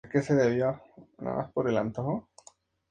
Estaba planeado que se llevase a cabo en España.